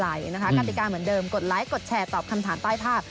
กติกาเหมือนเดิมกดไลค์กดแชร์ตอบคำถามใต้ภาพ